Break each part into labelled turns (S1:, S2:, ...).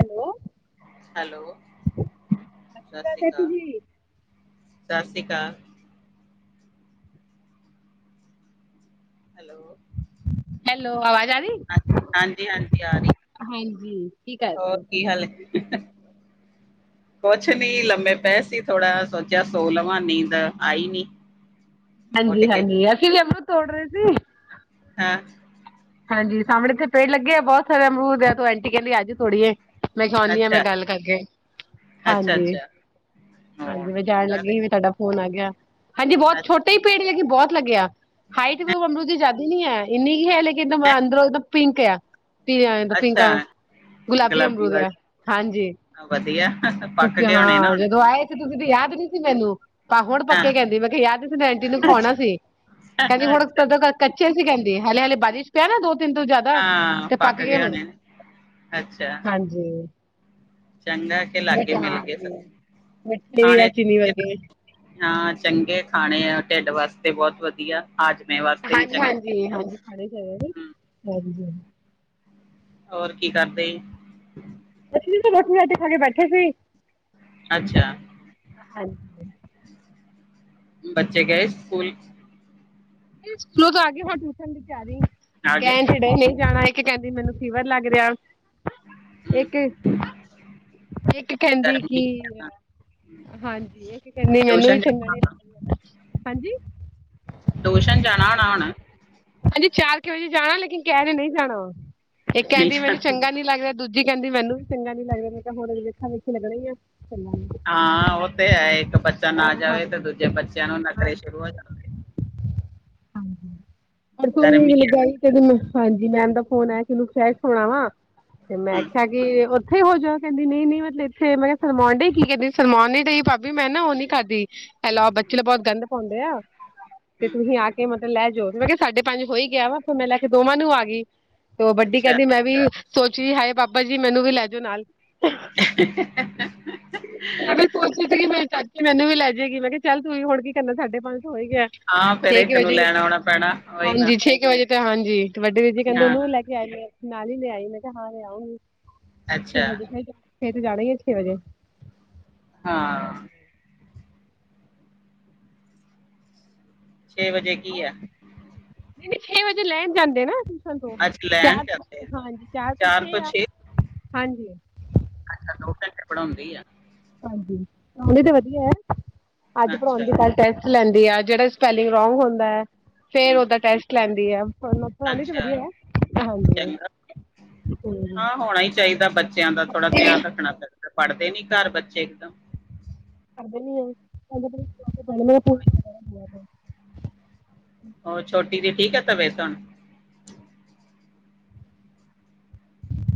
S1: Hello
S2: hello. ਸਤਿ ਸ਼੍ਰੀ ਅਕਾਲ। ਸਤਿ ਸ਼੍ਰੀ ਅਕਾਲ। ਹੈਲੋ।
S1: ਹੈਲੋ, ਆਵਾਜ਼ ਆਗੀ।
S2: ਹਾਂਜੀ, ਹਾਂਜੀ- ਹਾਂਜੀ ਆ ਰਹੀ
S1: ਕੀ ਕਰ ਰਹੇ
S2: ਹੋਰ
S1: ਹੋ?
S2: ਕੀ ਹਾਲ ਹੈ। ਕੁਛ ਨੀ ਲੰਮੇ ਪਏ ਸੀ ਥੋੜਾ ਸੋਚਿਆ ਸੌ ਲਵਾਂ ਨੀਂਦ ਆਈ ਨੀ। [inaudible]
S1: ਹਾਂਜੀ
S2: ਉੱਠ ਕੇ
S1: -ਹਾਂਜੀ ਅਸੀਂ ਵੀ ਅਮਰੂਦ ਤੋੜ ਰਹੇ ਸੀ।
S2: ਹਾਂ।
S1: ਹਾਂਜੀ, ਸਾਹਮਣੇ ਇਥੇ ਪਏ ਲੱਗੇ ਆ ਬਹੁਤ ਸਾਰੇ ਅਮਰੂਦ ਆ ਤੋਂ ਅੰਟੀ ਕਹਿੰਦੀ ਆਜੋ ਤੋੜੀਏ। ਮੈਂ ਸੌਣੀਆ ਮੈਂ
S2: ਅੱਛਾ,
S1: ਗੱਲ ਕਰਕੇ
S2: ਅੱਛਾ,
S1: ਹਾਂਜੀ।
S2: ਅੱਛਾ। ਹੋਰ
S1: ਹਾਂਜੀ ਮੈਂ ਜਾਣ
S2: ਚੰਗਾ ਤੇ
S1: ਲੱਗੀ ਸੀ ਤੁਹਾਡਾ ਫੋਨ ਆ ਗਿਆ ਹਾਂਜੀ ਬਹੁਤ ਛੋਟੇ
S2: ਅੱਛਾ
S1: ਹੀ ਭੀੜ ਲਗੀ ਬਹੁਤ ਲੱਗਿਆ ਹਾਈਟ ਵੀ ਅਮਰੂਦ ਦੀ ਜਾਦੀ ਨੀ ਹੈ ਇੰਨੀ ਕੁ ਹੈ ਲੇਕਿਨ ਕਿੰਨਾ ਮਜਾ ਅੰਦਰੋਂ ਦ ਪਿੰਕ ਐ ਚਾਅ ਪੀ ਪਿੰਕ ਆ
S2: ਅੱਛਾ
S1: ਗੁਲਾਬੀ ਅਮਰੂਦ ਆ ਹਾਂਜੀ
S2: ਵਧੀਆ
S1: ਤੋਂ
S2: ਪੱਕ ਗਏ ਹੋਣੇ ਨਾ ਹੁਣ।
S1: ਜਦੋਂ ਆਏ ਤੁਸੀਂ ਤੇ ਯਾਦ ਨੀ ਸੀ ਮੈਂਨੂੰ ਆਪ ਹੁਣ ਪੱਕੇ
S2: ਹਾਂ,
S1: ਕੀਹਿੰਦੀ ਮੈਂ ਕਿਹਾ ਯਾਦ ਨਹੀਂ ਸੀ ਅੰਟੀ ਨੂੰ ਖਵਾਉਣਾ ਸੀ। ਕਹਿੰਦੀ ਹੁਣ
S2: ਅੱਛਾ
S1: ਕੱਚਿਆਂ ਸੀ ਕਹਿੰਦੀ ਹਲੇ -ਹਲੇ ਬਾਰਿਸ਼ ਪਿਆ ਦੋ, ਤਿੰਨ ਤੋਂ ਜਿਆਦਾ
S2: ਹਾਂ
S1: ਤੇ ਪੱਕ ਗੇ
S2: ਗਏ
S1: ਹੁਣ
S2: ਹੋਣੇ ਨੇ, ਅੱਛਾ।
S1: ਹਾਂਜੀ
S2: ਚੰਗਾ ਕਿ ਲਾਗੇ
S1: ਮਿੱਠੇ
S2: ਮਿਲ ਗਏ
S1: ਹਾਂਜੀ
S2: ਸਗੋਂ,
S1: ਮਿੱਠੇ ਈ ਐ ਚੀਨੀ
S2: ਖਾਣੇ
S1: ਵਰਗੇ।
S2: ਹਾਂ ਚੰਗੇ ਖਾਣੇ ਆ ਢਿੱਡ ਵਾਸਤੇ ਬਹੁਤ ਵਧੀਆ ਹਾਜਮੇ ਵਾਸਤੇ ਵੀ
S1: ਹਾਂਜੀ
S2: ਚੰਗੇ
S1: -ਹਾਂਜੀ, ਹਾਂਜੀ -ਹਾਂਜੀ ਖੜੇ ਹੋਇਓ ਬਈ
S2: ਹੂੰ
S1: ਹਾਂਜੀ।
S2: ਹੋਰ ਕੀ ਕਰਦੇ ਜੀ।
S1: ਅਸੀ ਵੀ ਤਾਂ ਰੋਟੀ- ਰਾਟੀ ਖਾ ਕੇ ਬੈਠੇ ਸੀ।
S2: ਅੱਛਾ।
S1: ਹਾਂਜੀ।
S2: ਬੱਚੇ ਗਏ ਸਕੂਲ।
S1: ਸਕੂਲੋਂ ਤੋਂ ਆ ਗਏ ਹੁਣ ਟਿਊਸ਼ਨ ਦੀ ਤਿਆਰੀ ਏ
S2: ਆ ਗਏ
S1: ਕਹਿਣ ਤੇ ਡਏ ਆ ਨਹੀਂ ਜਾਣਾ। ਕੀ ਕਹਿੰਦੀ ਮੈਨੂੰ ਫੀਵਰ ਲੱਗ ਰਿਹਾ?
S2: ਹੂੰ
S1: ਇੱਕ, ਇੱਕ ਕਹਿੰਦੀ
S2: ਗਰਮੀ
S1: ਕਿ ਹਾਂਜੀ, ਇੱਹ ਕੀ ਕਹਿੰਦੀ ਮੈਨੂੰ
S2: ਟਿਊਸ਼ਨ ਜਾਣਾ
S1: [unintelligible] ਹਾਂਜੀ।
S2: ਟਿਊਸ਼ਨ ਜਾਣਾ ਹੋਣਾ ਹੁਣ।
S1: ਹਾਂਜੀ ਚਾਰ ਕੁ ਵਜੇ ਜਾਣਾ ਲੇਕਿਨ ਕਹਿ ਰਏ ਆ ਨਹੀਂ ਜਾਣਾ, ਇੱਕ
S2: ਨਹੀਂ
S1: ਕਹਿੰਦੀ ਮੈਨੂੰ
S2: ਜਾਣਾ
S1: ਚੰਗਾ ਨੀ ਲੱਗਦਾ, ਦੂਜ ਦੂਜੀ ਕਹਿੰਦੀ ਮੈਨੂੰ ਵੀ ਚੰਗਾ ਨੀ ਲੱਗਦਾ ਮੈਂ ਕਿਹਾ ਵੇਖਾ ਹੁਣ ਇਥੇ ਲਗਨਾ ਈ ਆ [inaudible]
S2: ਹਾਂ ਉਹ ਤੇ ਹੈ ਇੱਕ ਬੱਚਾ ਨਾ
S1: ਹਾਂ
S2: ਜਾਵੇ ਤੇ ਦੂਜੇ ਬੱਚਿਆਂ ਨੂੰ
S1: ਹਾਂ
S2: ਨਖਰੇ ਸ਼ੁਰੂ ਹੋ ਜਾਂਦੇ ਆ।
S1: ਪਰਸੋਂ
S2: ਗਰਮੀ
S1: ਹੀ
S2: ਆ
S1: ਲੱਗਿਆ ਸੀ ਕਹਿੰਦੀ ਮੈਂ ਹਾਂਜੀ ਮੈਮ ਦਾ ਫੋਨ ਆਇਆ ਸੀ ਉਹਨੂੰ [inaudible] ਫੜਾਵਾਂ। ਤੇ ਮੈ
S2: ਹੂੰ
S1: ਆਖਿਆ ਉੱਥੇ ਹੀ ਹੋ ਜਾ ਕਹਿੰਦੀ ਨਹੀਂ ਨਹੀਂ ਮਤਲਬ ਇੱਥੇ ਮੈਂ ਕਿਹਾ ਸਰਮਾਉਣ ਡਈ ਕੀ ਕਹਿੰਦੀ ਸਰਮਾਉਣ ਨੀ ਡਈ ਭਾਬੀ ਮੈਂ ਨਾ ਉਹ ਨੀ ਕਰਦੀ। ਦੀ ਹੈਲੋ ਬੱਚੇ ਤਾਂ ਬਹੁਤ ਗੰਧ ਪਾਉਂਦੇ ਆ। ਤੇ
S2: ਹੂੰ
S1: ਤੁਸੀਂ ਆ ਕੇ ਮਤਲਬ ਲੈ ਜਾਓ, ਮੈਂ ਕਿਹਾ। ਸਾਢੇ -ਪੰਜ ਹੋ ਈ ਗਿਆ ਵਾ, ਫਿਰ ਮੈਂ ਲੈ ਕੇ ਦੋਵਾਂ ਨੂੰ ਆ ਗਈ ਤੇ ਉਹ ਵੱਡੀ
S2: ਅੱਛਾ
S1: ਕਹਿੰਦੀ ਮੈਂ ਵੀ ਸੋਚਦੀ, ਹਾਏ ਬਾਬਾ ਜੀ, ਹਏ! ਬਾਬਾ ਜੀ ਮੈਨੂੰ ਵੀ ਲੈ ਜਾਓ ਨਾਲ।
S2: [unintelligible] [inaudible]
S1: ਮੈਂ ਵੀ ਸੋਚਦੀ ਸੀ ਕਿ ਮ ਚਾਚੀ ਮੈਨੂੰ ਵੀ ਲੈ ਜੇ ਗੀ। ਮੈਂ ਕਿਹਾ ਚੱਲ ਤੂੰ ਵੀ ਹੁਣ ਕੀ ਕਰਨਾ ਸਾਡੇ ਪੰਜ ਸੌ ਤੇ ਹੋ ਈ ਗਿਆ।
S2: ਹਾਂ ਫਿਰ ਇੱਕ ਨੂੰ ਲੈਣ ਆਉਣਾ ਪੈਣਾ ਓਹੀ ਨਾ।
S1: ਇੱਕ ਵਜੇ ਤੇ ਹਾਂਜੀ, ਇੱਕ ਵੱਡੇ ਵੀਰ ਜੀ ਕਹਿੰਦੇ
S2: ਹਾਂ
S1: ਉਹਨੂੰ ਵੀ ਲੈ ਕੇ ਆਈ ਨਾਲ ਈ ਲਿਆਈ। ਮੈਂ ਕਿਹਾ ਹਾਂ ਲਿਆ ਆਉਗੀ। ਛੇ
S2: ਅੱਛਾ
S1: ਵਜੇ, ਜਾਣਾ ਈ ਆ ਛੇ ਵਜੇ।
S2: ਹਾਂ ਛੇ ਵਜੇ ਕੀ ਆ?
S1: ਨਹੀਂ ਛੇ ਵਜੇ ਲੈਣ ਜਾਂਦੇ ਨਾ ਟਿਊਸ਼ਨ ਤੋਂ।
S2: ਅੱਛਾ ਲੈਣ
S1: ਚਾਰ ਤੋਂ
S2: ਜਾਂਦੇ
S1: ਛੇ ਹਾਂਜੀ ਚਾਰ ਤੋਂ ਛੇ ਆ ਹਾਂਜੀ।
S2: ਅੱਛਾ, ਦੋ ਘੰਟੇ ਪੜ੍ਹਾਉਦੀ ਆ।
S1: ਹਾਂਜੀ, ਪੜ੍ਹਾਉਦੀ ਤਾਂ ਵਧੀਆ। ਅੱਜ
S2: ਅੱਛਾ
S1: ਪੜ੍ਹਾਉਣ ਦੀ ਟੈਸਟ ਲੈਂਦੀ ਆ। ਜਿਹੜਾ ਸਪੈਲਿੰਗ ਰੌਂਗ ਹੁੰਦਾ। ਫਿਰ
S2: ਹੂੰ
S1: ਓਦਾ ਟੈਸਟ ਲੈਦੀ ਆਂ। ਪੜ੍ਹਾਉਂਦੀ ਤਾਂ
S2: ਅੱਛਾ
S1: ਵਧੀਆ, ਹਾਂਜੀ।
S2: ਚੰਗਾ ਹਾਂ ਹੋਣਾ ਈ ਚਾਹੀਦਾ। ਬੱਚਿਆਂ ਦਾ ਥੋੜਾ ਧਿਆਨ ਰੱਖਣਾ ਪੈਂਦਾ। ਪੜ੍ਹਦੇ ਨੀ ਘਰ ਬੱਚੇ ਇਕਦਮ।
S1: ਕਰਦੇ ਨੀ ਆ।
S2: ਹੋਰ ਛੋਟੀ ਦੀ ਠੀਕ ਆ ਤਬੀਅਤ ਹੁਣ?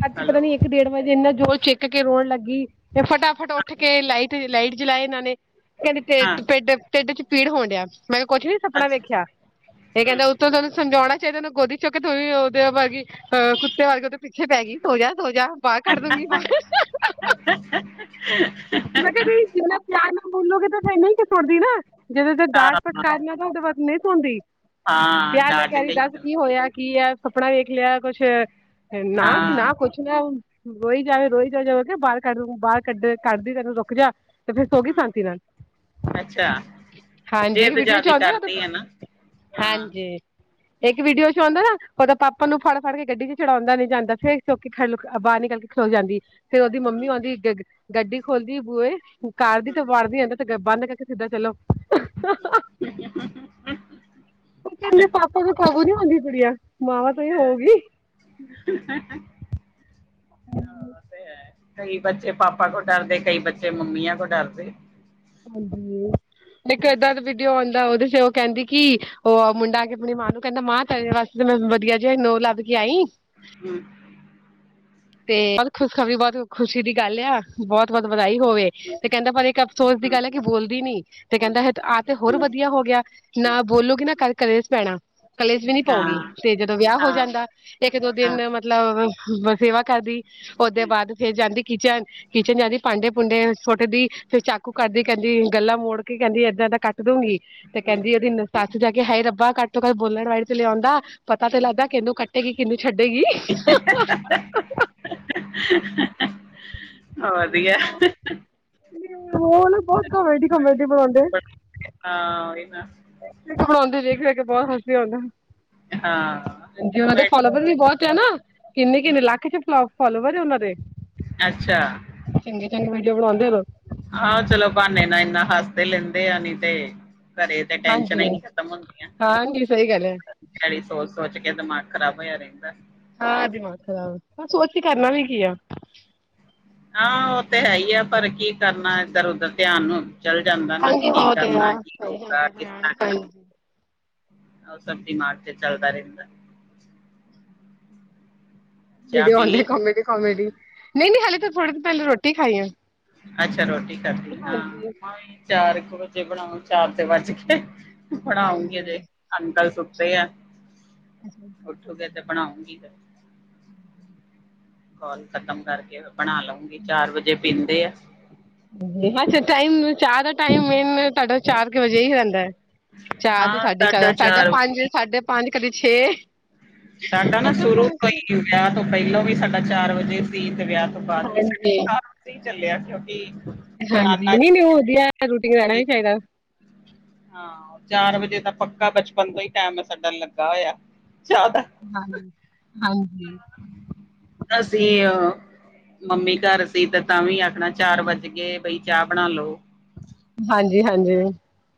S1: ਰਾਤੀ
S2: ਹੈਲੋ
S1: ਪਤਾ ਨੀ ਇੱਕ ਡੇਢ ਵਜੇ ਇਨਾ ਜੋਰ ਛਿੱਕ ਕੇ ਰੋਣ ਲੱਗੀ। ਤੇ ਫਟਾਫਟ ਉੱਠ ਕੇ ਲਾਈਟ, ਲਾਈਟ ਜਲਾਈ ਇਹਨਾਂ ਨੇ। ਕਹਿੰਦੇ
S2: ਹਾਂ
S1: ਪਿੱਡ ਚ ਢਿੱਡ 'ਚ ਪੀੜ ਹੋਣ ਡਿਆ, ਮੈਂ ਕਿਹਾ ਕੁੱਛ ਵੀ ਸੁਪਨਾ
S2: ਅੱਛਾ
S1: ਵੇਖਿਆ, ਇਹ
S2: ਹੂੰ
S1: ਕਹਿੰਦੇ ਉਤੋ ਤੈਨੂੰ ਸਮਝਾਉਣਾ। ਕਹਿੰਦੇ ਉਹਨੂੰ ਗੋਦੀ ਚੁੱਕ ਕੇ ਤੂੰ ਵੀ ਉਹਦੇ ਵਰਗੀ ਅਹ ਕੁੱਤੇ ਹਰਕਤਾ ਉਹਦੇ ਪਿੱਛੇ ਪੈ ਗਈ ਸੋ ਜਾ-ਸੋ ਜਾ। ਬ ਬਾਹਰ ਕੱਢਦੂਗੀ ਬਾਹਰ
S2: ਹਮ [inaudible]
S1: ਮੈਂ ਕਿਹਾ ਜਿੰਨਾ ਤੁਸੀ ਪਿਆਰ ਨਾਲ ਬੋਲੋਗੇ ਤਾਂ ਫਿਰ ਨਹੀਂ ਸੋਂਦੀ ਨਾ। ਜਦੋਂ ਡਾਟ
S2: ਹਾਂ
S1: ਫਟਕਾਰੀਆ ਦਉ ਉਦੋ ਬਾਅਦ ਨਹੀਂ ਸੌਦੀ।
S2: ਹਾਂ
S1: ਪਿਆਰ ਨਾਲ
S2: ਡਾਟ
S1: ਕਹਿ ਰਹੀ
S2: ਗਈ
S1: ਦੱਸ ਕੀ ਹੋਇਆ ਕੀ ਏ ਸਪਨਾ ਵੇਖ ਲਿਆ ਕੁਛ। ਏਨਾ
S2: ਹਾਂ
S1: ਨਾ ਕੁੱਛ ਨਾ। ਰੋਈ ਜਾਵੇ ਰੋਈ ਜਾਵੇ, ਜਦੋ ਮੈਂ ਕਿਹਾ ਬਾਹਰ ਕੱਢਦੂ ਬਾਹਰ ਕੱਢਦੀ ਤੈਨੂੰ ਰੁਕ ਜਾ। ਤੇ ਫਿਰ ਸੋ ਗਈ
S2: ਹੂੰ
S1: ਸ਼ਾਂਤੀ ਨਾਲ,
S2: ਅੱਛਾ
S1: ਹਾਂਜੀ ਇੱਕ
S2: ਜਿੱਦ
S1: ਵੀਡੀਓ ਚ
S2: ਜ਼ਿਆਦੀ
S1: ਆਦਾ।
S2: ਕਰਦੀ ਹੈ ਨਾ ਹਾਂ
S1: ਹਾਂਜੀ,
S2: ਹੂੰ
S1: ਇੱਕ ਵੀਡੀਓ ਚ ਆਉਦਾ ਨਾ ਉਹ ਦਾ ਪਾਪਾ ਉਹਨੂੰ ਫੜ੍ਹ-ਫੜ੍ਹ ਕੇ ਗੱਡੀ ਚ ਚੜਾਉਦਾ ਨੀ। ਜਾਂਦਾ ਫਿਰ ਬਾਹਰ ਨਿਕਲ ਕੇ ਖਲੋ ਜਾਂਦੀ, ਫਿਰ ਉਦੀ ਮੰਮੀ
S2: ਹੂੰ
S1: ਆਉਦੀ। ਗੱਡੀ ਖੋਲਦੀ ਬੂਏ ਕਾਰ ਦੀ ਤੇ
S2: ਹੂੰ,
S1: ਵਾਰਦੀ ਆ ਤੇ ਬੰਦ ਸਿੱਧਾ ਚਲੋ।
S2: [inaudible]
S1: ਉਹ ਕਹਿੰਦੇ ਪਾਪਾ ਤੋ ਕਾਬੂ ਨੀ ਆਉਦੀ ਕੁੜੀਆਂ, ਮਾਵਾਂ ਤੋਂ ਈ ਹੋਊਗੀ।
S2: ਹਾਂ ਤੇ ਏ। ਕਈ ਬੱਚੇ ਪਾਪਾ ਕੋਲ ਡਰਦੇ। ਕਈ ਬੱਚੇ ਮੰਮੀਆਂ ਕੋ ਡਰਦੇ।
S1: ਹਾਂਜੀ। ਨ ਏਦਾਂ ਦਾ ਵੀਡੀਓ ਆਉਦਾ। ਉਹਦੇ ਚ ਉਹ ਕਹਿੰਦੀ ਕਿ ਉਹ ਮੁੰਡਾ ਆ ਕੇ ਆਪਣੀ ਮਾਂ ਨੂੰ ਕਹਿੰਦਾ ਮਾਂ ਤੇਰੇ ਵਾਸਤੇ ਤੇ ਮੈਂ ਵਧੀਆ ਜੇ ਨੂਹ ਲੱਭ ਕੇ ਆਈ।
S2: ਹਮ।
S1: ਤੇ ਬੋਤ ਖੁਸ਼ਖਬਰੀ ਬੋਤ ਖੁਸ਼ੀ ਦੀ ਗੱਲ ਆ। ਬਹੁਤ-ਬਹੁਤ ਵਧਾਈ ਹੋਵੇ।
S2: [inaudible]
S1: ਤੇ ਕੈਦਾ ਪਰ ਇੱਕ ਅਫਸੋਸ ਦੀ
S2: ਹੂੰ
S1: ਗੱਲ ਏ ਕਿ ਬੋਲਦੀ ਨੀ ਤੇ ਕਹਿੰਦਾ ਤੇ ਹੋਰ
S2: ਹਮ,
S1: ਵਧੀਆ ਹੋ ਗਿਆ ਨਾ ਬੋਲੋਗੇ ਨਾ ਕਰ ਕਲੇਸ਼ ਪੈਣਾ। ਕਲੇਸ਼ ਵੀ ਨੀ ਪਊਗੀ
S2: ਹਾਂ,
S1: ਤੇ ਜਦੋਂ ਵਿਆਹ ਹੋ
S2: ਹਾਂ,
S1: ਜਾਂਦਾ। ਇੱਕ-ਦੋ
S2: ਹਾਂ,
S1: ਦਿਨ ਮਤਲਬ ਸੇਵਾ ਕਰਦੀ ਉਹਦੇ
S2: ਹੂੰ,
S1: ਬਾਅਦ ਫੇਰ ਜਾਂਦੀ ਕਿਚਨ ਖਿਚਨ ਜਾਂਦੀ ਭਾਂਡੇ-ਭੁੰਡੇ ਸੁੱਟਦੀ ਫਿਰ ਚਾਕੂ ਕੱਡਦੀ ਕਹਿੰਦੀ ਗੱਲਾਂ ਮੋੜ ਕੇ ਕਹਿੰਦੀ, ਏਦਾਂ-ਏਦਾਂ ਕੱਟ ਦੋਂਗੀ। ਤੇ
S2: ਹੂੰ।
S1: ਕਹਿੰਦੀ ਉਹਦੀ ਸੱਸ ਜਾ ਕੇ ਹਾਏ ਰੱਬਾ ਘੱਟ ਤੋਂ ਘੱਟ ਬੋਲਣ ਵਾਲੀ ਤੇ ਲੈ ਆਉਦਾਂ। ਪਤਾ ਤੇ ਲੱਗਦਾ, ਕਿਨੂੰ ਕੱਟੇਗੀ, ਕਿਨੂੰ ਛੱਡੇਗੀ।
S2: ' [unintelligible] ' ਵਧੀਆ।
S1: ਮੇਰੇ ਓ ਨਾ ਬਹੁਤ ਕਾਮੇਡੀ-ਕਾਮੇਡੀ ਬਣਾਉਂਦੇ ਆ।
S2: ਬੜਾ ਵਧੀਆ, ਹਾਂ ਇਹ ਨਾ
S1: ਬਣਾਉਂਦੇ ' [unintelligible] ' ਬਹੁਤ ਹਸੀ ਆਉਂਦਾ ਹਾਂ
S2: ਹਾਂ
S1: ਉਹ ਦੇ
S2: ਕਮੇਡੀ
S1: ਫੋਲੋਵਰ ਵੀ ਬਹੁਤ
S2: ਹੂੰ,
S1: ਕਿੰਨੇ-ਕਿੰਨੇ ਲੱਖ 'ਚ' ਫੋ ਫਲੋਵਰ ਉਹਨਾਂ ਦੇ
S2: ਅੱਛਾ।
S1: ਚੰਗੀ-ਚੰਗੀ ਵੀਡੀਓ ਬਣੋਦੇ ਰੋ।
S2: ਹਾਂ, ਚਲੋ ਬਹਾਨੇ ਨਾਲ ਇੰਨਾ ਹੱਸਦੇ ਤੇ ਲੈਂਦੇ ਆ ਨਈ ਤੇ ਘਰੇ ਤੇ ਟੈਸ਼ਨਾਂ ਈ
S1: ਹਾਂਜੀ
S2: ਨੀ ਖਤਮ ਹੁੰਦੀਆਂ।
S1: ਹਾਂਜੀ ਸਹੀ ਗੱਲ ਹੈ
S2: ' [unintelligible] ' ਸੋਚ-ਸੋਚ ਕੇ ਦਿਮਾਗ ਖ਼ਰਾਬ ਹੋਇਆ ਰਹਿੰਦਾ।
S1: ਹਾਂ ਦਿਮਾਗ ਖਰਾਬ, ਹੁਣ ਸੋਚ ਕੇ ਕਰਨਾ
S2: ਉਹੀ
S1: ਵੀ ਕੀ ਆ।
S2: ਹਾਂ, ਉਹ ਤੇ ਹੈ ਆ, ਪਰ ਕੀ ਕਰਨਾ ਇੱਧਰ-ਉੱਧਰ ਧਿਆਨ ਨੂੰ। ਚੱਲ ਜਾਂਦਾ ਨਾ, ਕੀ ਕਰਨਾ,
S1: ਹਾਂ
S2: ਕੀ
S1: ਸਹੀ ਗੱਲ
S2: ਹੋਊਗਾ
S1: ਹੈ
S2: ਕਿਸ ਤਰ੍ਹਾਂ
S1: ਹਾਂਜੀ
S2: ਉਹ ਸਭ ਦਿਮਾਗ ਤੇ ਚੱਲਦਾ ਰਹਿੰਦਾ। ਚਾਹ
S1: ਵੀਡੀਓ
S2: ਪੀ
S1: ਆਉਂਦੇ,
S2: ਲਈ
S1: ਕੋਮੇਡੀ-ਕੋਮੇਡੀ ਨਹੀਂ ਨਈ ਹਾਲੇ ਤਾਂ ਥੋੜੇ ' [unintelligible] ' ਪਹਿਲੇ ਰੋਟੀ ਖਾਈ ਐ।
S2: ਅੱਛਾ ਰੋਟੀ ਖਾਦੀ ਹਾਂ। ਚਾਰ ਕ ਵਜੇ ਬਣਾਉ, ਚਾਰ ਤਾ ਵੱਜ ਗੲੇ। ਬਣਾਉਗੀ ਤੇ ਅੰਕਲ ਸੁਤੇ ਆ, ਉੱਠੂਗੇ ਤੇ ਬਣਾਉਂਗੀ ਤੇ।
S1: ' [inaudible]
S2: ਕੋਲ ਖ਼ਤਮ ਕਰਕੇ ਬਣਾ ਲਉਗੀ, ਚਾਰ ਵਜੇ ਪੀਂਦੇ ਆ।
S1: ਅੱਛਾ ਟਾਈਮ, ਚਾਹ ਦਾ ਟਾਈਮ ਮੇਨ ਤੁਹਾਡਾ ਚਾਰ ਕ ਵਜੇ ਹੀ ਰਹਿੰਦਾ ਹੈ। ਚਾਰ ਤੋਂ
S2: ਹਾਂ
S1: ਸਾਢੇ
S2: ਸਾਢਾ
S1: ਚਾਰ ਸਾਡਾ ਪੰਜ
S2: ਵਜੇ
S1: ਸਾਡੇ ਪੰਜ ਕਦੇ ਛੇ।
S2: ਸਾਡਾ ਨਾ
S1: ਏਦਾਂ
S2: ਸ਼ੁਰੂ ਤੋਂ
S1: ਪਹੁੰਚ
S2: ਹੀ, ਵਿਆਹ ਤੋਂ ਪਹਿਲੋਂ ਵੀ ਸਾਡਾ ਚਾਰ ਵਜੇ ਸੀ ਤੇ ਵਿਆਹ ਤੋ ਤੋ ਬਾਅਦ ਵੀ ਸਾਡਾ ਚਾਰ ਵਜੇ ਹੀ ਚੱਲਿਆ।
S1: ਹਾਂਜੀ '
S2: ਨਾਨਾ
S1: [unintelligible] ' ਚਾਹੀਦਾ।
S2: ਹਾਂ। ਹਾਂ, ਚਾਰ ਵਜੇ ਤਾਂ ਪੱਕਾ ਬਚਪਨ ਤੋਂ ਹੀ ਟਾਈਮ ਸਾਡਾ ਲੱਗਾ ਹੋਇਆਿ ਚਾਹ ਦਾ
S1: ' [unintelligible] ਹਾਂਜੀ।
S2: ਅਸੀ ਅ। ਮੰਮੀ ਘਰ ਸੀ ਤੇ ਤਾਂ ਵੀ ਆਖਣਾ ਚਾਰ ਵੱਜ ਗਏ ਬਈ ਚਾਹ ਬਣਾ ਲੋ
S1: ਹਾਂਜੀ-ਹਾਂਜੀ।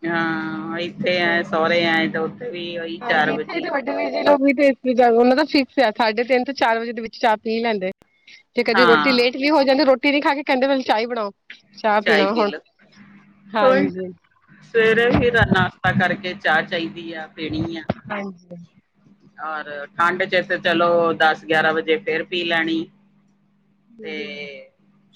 S2: ਹਾਂ, ਇੱਥੇ ਆਏ ਸੋਹੁਰੇ ਆਏ, ਤਾਂ ਉੱਥੇ ਵੀ ਉਈ ਚਾਰ ਵਜੇ
S1: ਚੌਵੀ ਤੇ ਈਸਵੀ ਦਾ ਉਹਨਾਂ ਦਾ ਫਿਕਸ ਆ ਸਾਢੇ ਤਿੰਨ ਤੋਂ ਚਾਰ ਵਜੇ ਦੇ ਵਿੱਚ ਚਾਹ ਪੀ ਲੈਂਦੇ ਜੇ ਕਦੀ ਰੋਟੀ
S2: ਹਾਂ
S1: ਲੇਟ ਵੀ ਹੋ ਜਾਂਦੀ ਰੋਟੀ ਨੀ ਖਾ ਕੇ ਕਹਿੰਦੇ ਚਾਹ ਹੀ ਬਣਾਓ। ਚਾਹ
S2: ਚਾਏ
S1: ਪੀਣਾ
S2: ਪੀ
S1: ਹੁਣ
S2: ਲੋ ਉਹੀ
S1: ਹਾਂਜੀ।
S2: ਸਵੇਰੇ ਵੀ ਨਾਸ਼ਤਾ ਕਰਕੇ ਚਾਹ ਚਾਹੀਦੀ ਆ, ਪੀਣੀ ਆ
S1: ਹਾਂਜੀ।
S2: ਔਰ, ਠੰਡ 'ਚ' ਤੇ ਚਲੋ ਦੱਸ ਗਿਆਰਾਂ ਵਜੇ ਫੇਰ ਪੀ ਲੈਣੀ ਤੇ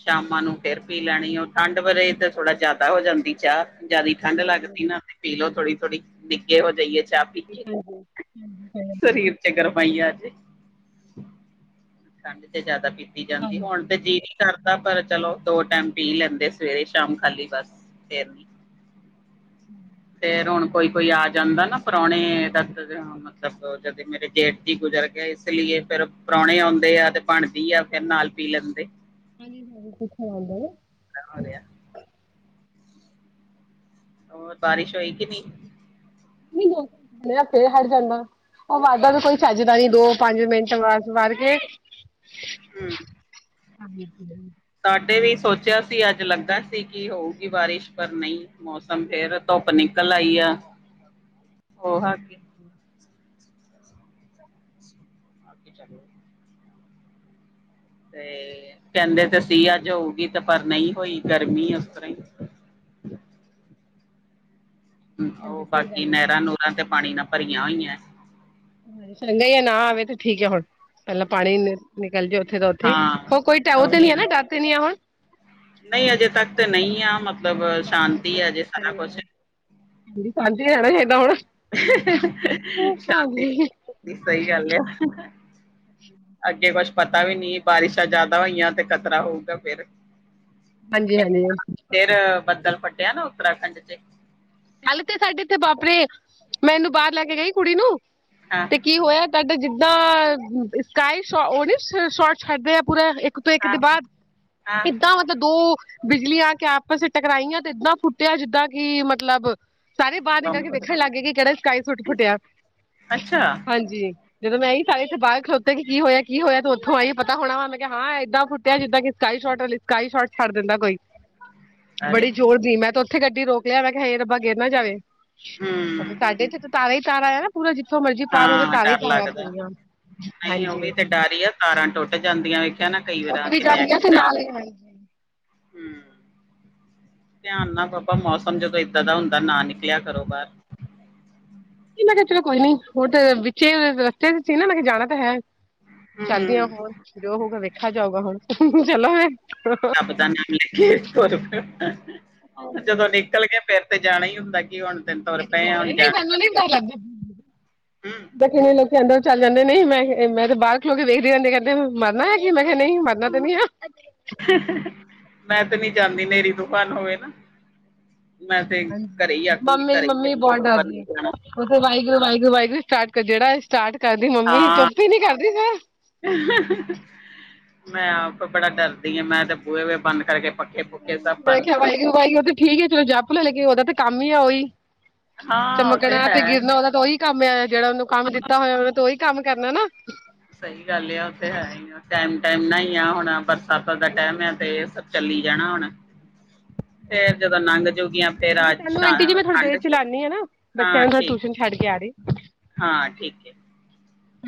S2: ਸ਼ਾਮਾਂ ਨੂੰ ਫਿਰ ਪੀ ਲੈਣੀ, ਉਹ ਠੰਡ ਵਰੇ ਤਾਂ ਥੋੜ੍ਹਾ ਜ਼ਿਆਦਾ ਹੋ ਜਾਂਦੀ ਚਾਹ ਜਿਆਦਾ ਠੰਢ ਲੱਗਦੀ ਨਾ ਪੀ ਲਓ ਥੋੜੀ-ਥੋੜੀ ਨਿੱਗੇ ਹੋ ਜਾਈਏ ਚਾਹ। ਪੀ ਕੇ
S1: ਹਾਂਜੀ।
S2: ਸਰੀਰ ਤੇ ਗਰਮ ਹੀ ਆਜੇ, ਠੰਡ ਤੇ ਜ਼ਿਆਦਾ ਪੀਤੀ ਪੀਤੀ ਜਾਂਦੀ। ਹੁਣ ਤੇ ਜੀ ਨੀ ਕਰਦਾ ਪਰ ਚਲੋ ਦੋ ਟਾਈਮ ਪੀ ਲੈਂਦੇ ਸਵੇਰੇ-ਸ਼ਾਮ ਖਾਲੀ ਬਸ ਫਿਰ ਨੀ। ਫਿਰ ਹੁਣ ਕੋਈ-ਕੋਈ ਆ ਜਾਂਦਾ ਨਾ ਪੁਰਾਣੇ ਦਰਦ ਮਤਲਬ ਜਦ ਮੇਰੇ ਜੇਠ ਚ ਗੁਜ਼ਰ ਗੇ। ਇਸ ਲਈ ਫਿਰ ਪ੍ਰਾਹਣੇ ਆਉਦੇ ਆ ਤੇ ਬਣਦੀ ਆ ਫਿਰ ਨਾਲ ਪੀ ਲੈਂਦੇ।
S1: ਹਾਂਜੀ, ਸਾਰੇ ਕਿੱਥੋਂ ਆਉਂਦੇ ਹੋ‍।
S2: [unintelligible] ਹੋਰ ਬਾਰਿਸ਼ ਹੋਈ ਕਿ ਨਹੀਂ।
S1: ਸੀਗਾ, ਆਏ ਫਿਰ ਹੜ ਜਾਂਦਾ। ਉਹ ਵੱਧਦਾ ਕੋਈ ਚੱਜਦਾ ਨੀ ਦੋ ਪੰਜ ਮਿੰਟ ਵਸ ਵੱਧ ਕੇ
S2: ਹਮ।
S1: ਹਾਂਜੀ ਕਿਵੇਂ?
S2: ਸਾਡੇ ਵੀ ਸੋਚਿਆ ਸੀ ਅੱਜ ਲੱਗਾ ਸੀ ਕਿ ਹੋਊਗੀ ਬਾਰਿਸ਼ ਪਰ ਨਹੀਂ ਮੌਸਮ ਫਿਰ ਧੁੱਪ ਨਿਕਲ ਆਈ ਆ। ਉਹ ਬੱਗੀ ਚਾਹੀਦੀ ਏ। ਤੇ ਕਹਿੰਦੇ ਤੇ ਸੀਆ ਜਾ ਹੋਊਗੀ ਤੇ ਪਰ ਨਹੀਂ ਹੋਈ ਗਰਮੀ ਉਸ ਤਰ੍ਹਾਂ ਹੀ। ਹ ਉਹ
S1: ਸਹੀ
S2: ਬਾਕੀ
S1: ਗੱਲ ਹੈ
S2: ਨਹਿਰਾਂ ਨਰਾਂ ਤੇ ਪਾਣੀ ਨਾਲ ਭਰੀਆਂ ਹੋਈਆਂ।
S1: ਚੰਗਾ ਹੀ ਨਾ ਆਵੇ ਤੇ ਠੀਕ ਆ ਹੁਣ। ਪਹਿਲਾਂ ਪਾਣੀ ਨਿਕਲ ਜਾਏ। ਉੱਥੇ ਤਾਂ ਉੱਥੇ ਹੋਰ ਕੋਈ ਟ
S2: ਹਾਂ
S1: ਉਹ ਤੇ
S2: ਉਹੀ
S1: ਨੀ ਹੈ ਨਾ ਗਾ ਤੇ ਨੀ ਏ ਹੁਣ।
S2: ਨਹੀਂ ਅਜੇ ਤੱਕ ਤੇ ਨਹੀਂ ਆ ਮਤਲਬ ਸ਼ਾਂਤੀ ਅਜੇ ਸਾਰਾ ਕੁੱਛ।
S1: ਸਾਂਝੇ ਰਹਿਣਾ ਚਾਹੀਦਾ ਹੁਣ। ਹਾਂਜੀ।
S2: ਸ਼ਾਂਤੀ ਸਹੀ ਗੱਲ ਆ।
S1: ਹਮ।
S2: ਅੱਗੇ ਕੁਛ ਪਤਾ ਨੀ ਬਾਰਿਸ਼ਾਂ ਜ਼ਿਆਦਾ ਹੋਈਆਂ ਤੇ ਖ਼ਤਰਾ ਹੋਊਗਾ ਫਿਰ।
S1: ਹਾਂਜੀ - ਹਾਂਜੀ।
S2: ਫਿਰ ਬੱਦਲ ਫਟਿਆ ਨਾ ਉੱਤਰਾਖੰਡ 'ਚ
S1: ਹੱਲ ਤੇ ਸਾਡੇ ਇਥੇ ਵਾਪਰੇ ਆ ਮੈਂ ਇਹਨੂੰ ਬਾਹਰ ਲੈ ਕੇ ਗਈ ਕੁੜੀ ਨੂੰ।
S2: ਹਾਂ।
S1: ਕੀ ਹੋਇਆ ਤੁਹਾਡਾ ਜਿੱਦਾਂ ਸਕਾਈ ਉਹਨ ਸ਼ੋਟ ਛੱਡ ਰਿ ਆ ਪੂਰਾ ਇੱਕ ਤੋਂ ਇੱਕ
S2: ਹਾਂ
S1: ਦੇ ਬਾਅਦ।
S2: ਹਾਂ।
S1: ਕਿਦਾਂ ਦੋ ਬਿਜਲੀਆਂ ਆ ਕੇ ਆਪਸ ਟਕਰਾਈਆਂ ਤੇ ਏਦਾਂ ਫੁੱਟਿਆ ਜਿੱਦਾਂ ਕਿ ਮਤਲਬ ਸਾਰੇ ਬਾਹਰ ਨਿਕਲ
S2: ਬੰਬ
S1: ਵੇਖਣ
S2: ਫਟਿਆ।
S1: ਲੱਗ ਗਏ ਕਿ ਸਕਾਈ ਸੁੱਟ ਫੁੱਟਿਆ
S2: ਅੱਛਾ
S1: ਹਾਂਜੀ। ਜਦੋਂ ਮੈਂ ਇ ਸਾਰੇ ਇੱਥੇ ਬਾਹਰ ਖਲੋਤੇ ਕਿ ਕੀ ਹੋਇਆ ਕੀ ਹੋਇਆ ਤੇ ਉੱਥੋਂ ਆਈ ਪ ਹੋਣਾ ਮੈਂ ਕਿਹਾ ਹਾਂ ਇੱਦਾਂ ਫੁੱਟਿਆ ਜਿੱਦਾਂ ਕਿ ਸਕਾਈ ਸ਼ੋਟ ਸਕਾਈ ਸ਼ੋਰਟ ਛੱਡ ਦਿੰਦਾ ਕੋਈ।
S2: [inaudible] ਅਰੇ
S1: ਬੜੀ ਜ਼ੋਰ ਦੀ ਮੈਂ ਤਾਂ ਉੱਥੇ ਗੱਡੀ ਰੋਕ ਲਿਆ ਮੈਂ ਕਿਹਾ ਰੱਬਾ ਗਿਰ ਨਾਂ ਜਾਵੇ।
S2: ਹੂੰ
S1: ਸਾਡੇ ਇਥੇ ਤਾਂ ਤਾਰਾ ਹੀ ਤਾਰਾ ਆ ਨਾ ਪੂਰਾ ਜਿੱਥੋਂ ਮਰਜ਼ੀ ਪਾਰੋਗੇ
S2: ਹਾਂ
S1: ਤਾਰਾਂ ਹੀ
S2: ਡਰ
S1: ਤਾਰਾ
S2: ਲੱਗਦਾ।
S1: ਪੂਰੀਆਂ।
S2: ਨਹੀਂ ਉਹ ਵੀ
S1: ਹਾਂਜੀ
S2: ਤੇ ਡਰ ਹੀ ਆ ਤਾਰਾਂ ਟੁੱਟ ਜਾਂਦੀਆਂ ਵੇਖੀਆ ਨਾਂ ਕਈ
S1: ਉੱਥੇ
S2: ਵਾਰ
S1: ਵੀ
S2: ਕਿੰਨੇ
S1: ਜਾਂਦੀ ਆ ਤੇ
S2: ਐਕਸੀਡੈਂਟ
S1: ਨਾਲ ਹੀ
S2: ਹੁੰਦੇ।
S1: ਹਾਂਜੀ
S2: ਹਮ। ਧਿਆਨ ਨਾਲ ਬਾਬਾ ਮੌਸਮ ਜਦੋਂ ਏਦਾਂ ਦਾ ਹੁੰਦਾ ਨਾਂ ਨਿਕਲ ਨਿਕਲਿਆ ਕਰੋ ਬਾਹਰ।
S1: ਮੈਂ ਕਿਹਾ ਚਲੋ ਕੋਈ ਨੀ ਹੁਣ ਤਾਂ ਵਿਚੇ ਰਸਤੇ 'ਚ ਸੀ ਨਾਂ ਮੈਂ ਕਿਹਾ ਜਾਣਾ ਤਾਂ ਹੈ।
S2: ਹੂੰ ਹੂੰ।
S1: ਚਲਦੇ ਆ ਹੋਰ, ਜੋ ਹੋਊਗਾ ਵੇਖਿਆ, ਜਾਊਗਾ ਹੁਣ ਚਲੋ ਫਿਰ।
S2: ਪਤਾ ਨਾਂ ਲੱਗੇ ਤੁਰ ਪੇ। ਜਦੋਂ ਨਿਕਲ ਗੇ ਫਿਰ। ਤੇ ਜਾਣਾ ਹੀ ਹੁੰਦਾ ਕਿ ਹੁਣ ਤੇ
S1: '
S2: ਤੁਰ ਪਏ ਆ ਹੁਣ ਜਾਣਾ
S1: [unintelligible]
S2: ਪੈਣਾ। ਹੂੰ।
S1: 'ਦੇਖ ਕਿਵੇ ਲੈ ਕੇ ਆਂਦਾ ਚੱਲ ਜਾਂਦੇ ਨਹੀਂ ਮੈਂ-ਮੈਂ ਤੇ ਬਾਹਰ ਖਲੋ ਕੇ ਵੇਖਦੀ ਰਹਦੀ ਕਹਿੰਦੇ ਮਰਨਾ ਹੈ ਕੀ ਮੈਂ ਕਿਹਾ ਨਹੀਂ ਮਰਨਾ ਤੇ ਨਹੀਂ ਐ।
S2: ਮੈਂ ਤੇ ਨੀਂ ਜਾਂਦੀ ਹਨੇਰੀ ਤੂਫਾਨ ਹੋਵੇ ਨਾਂ ਮੈਂ ਤੇ ਘਰੇ ਹੀ ਆਖੂਗੀ ਘਰੇ ਹੀ ਚੰਗੇ ਬਾਹਰ ਨਹੀਂ ਜਾਣਾ।
S1: ਉੱਥੇ ਵਾਹਿਗੁਰੂ, ਵਾਹਿਗੁਰੂ-ਵਾਹਿਗੁਰੂ ਸਟਾਰਟ ਕਰ ਜਿਹੜਾ ਇਹ ਸਟਾਰਟ ਕਰਦੀ ਮੰਮੀ
S2: ਹਾਂ।
S1: ਚੁੱਪ ਹੀ ਨੀਂ ਕਰਦੀ ਫਿਰ
S2: ਮੈਂ ਆਪ ਬੜਾ ਡਰਦੀ ਹਾਂ ਮੈਂ ਤੇ ਬੂਹੇ ਵੀ ਬੰਦ ਕਰਕੇ ਪੱਖੇ ਪੁੱਖੇ ਸਭ
S1: ਮੈਂ
S2: ਬੰਦ
S1: ਆਖਿਆ ਵਾਹਿਗੁਰੂ-ਵਾਹਿਗੁਰੂ ਠੀਕ ਆ ਚਲੋ ਜਪ ਲੋ, ਲੇਕਿ ਉਹਦਾ ਤੇ ਕੰਮ ਹੀ ਆ ਉਹੀ
S2: ਹਾਂ ਉਹ
S1: ਚਮਕਣਾ ਤੇ
S2: ਹੈ
S1: ਗਿਰਨਾ ਉਹਦਾ ਤਾਂ ਉਹੀ ਕੰਮ ਆ ਜਿਹੜਾ ਉਹਨੂੰ ਕੰਮ ਦਿੱਤਾ ਹੋਇਆ ਉਹਨੂੰ ਤੋਂ ਉਹੀ ਕੰਮ ਕਰਨਾ ਨਾਂ
S2: ਸਹੀ ਗੱਲ ਆ, ਉੱਥੇ ਹੈ ਹੀ ਆ ਟਾਈਮ-ਟਾਈਮ ਨਾ ਹੀ ਆ ਹੁਣ ਬਰਸਾਤ ਦਾ ਟਾਈਮ ਆ ਤੇ ਚੱਲੀ ਜਾਣਾ ਹੁਣ ਫੇਰ ਜਦੋਂ ਨੰਗ ਜੁਗੀਆਂ ਫੇਰ ਅੱਜ ਠੰ
S1: ਏ ਖਿਲਾਨੀ ਐ ਨਾਂ ਬੱਚਿਆਂ ਨੂੰ ਟਿਊਸ਼ਨ ਛੱਡ ਕੇ ਆ ਰਹੀ।
S2: ਹਾਂ ਠੀਕ ਐ।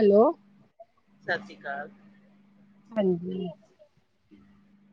S1: ਹੈਲੋ।
S2: ਸੱਸਰੀ ਕਾਲ।
S1: ਹਾਂਜੀ।
S2: ਹਮ।